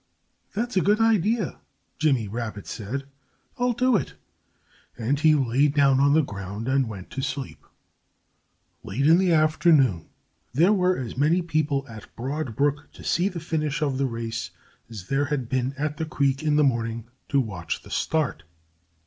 "That's a good idea," Jimmy Rabbit said. "I'll do it!" And he lay down on the ground and went to sleep. Late in the afternoon there were as many people at Broad Brook to see the finish of the race as there had been at the creek in the morning to watch the start.